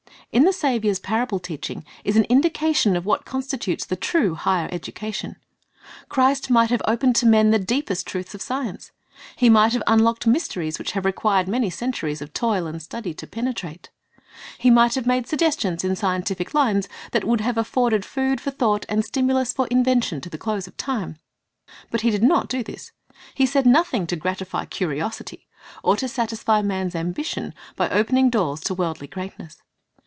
' In the Saviour's parable teaching is an indication of what constitutes the true "higher education." Christ might have opened to men the deepest truths of science. He might have unlocked mysteries which have required many centuries of toil and study to penetrate. He might have made suggestions in scientific lines that would have afforded food • Rom. 1:20, R. V. TcacJiins: in Parables 23 for thought and stimulus for invention to the close of time. But He did not do this. He said nothing to gratify curiosity, or to satisfy man's ambition by opening doors to worldly greatness.